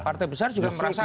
partai besar juga merasa